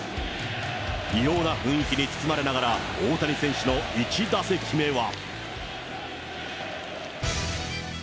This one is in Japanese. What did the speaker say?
異様な雰囲気に包まれながら、大谷選手の１打席目は。